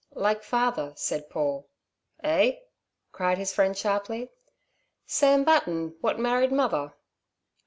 "Like father," said Paul. "Eh?" cried his friend sharply. "Sam Button, what married mother."